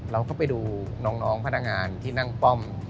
เราก็ไปดูน้องพนักงานที่นั่งป้อม